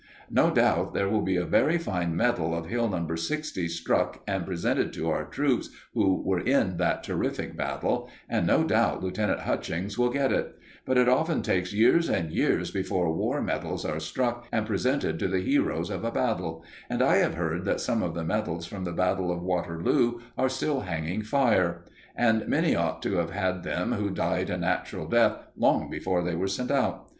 No doubt there will be a very fine medal of Hill No. 60 struck and presented to our troops who were in that terrific battle, and no doubt Lieutenant Hutchings will get it; but it often takes years and years before war medals are struck and presented to the heroes of a battle, and I have heard that some of the medals from the Battle of Waterloo are still hanging fire; and many ought to have had them who died a natural death long before they were sent out.